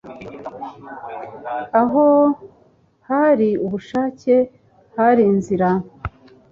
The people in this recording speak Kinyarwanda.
Aho hari ubushake, hari inzira.